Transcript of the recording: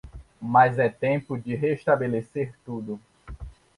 mas é tempo de restabelecer tudo.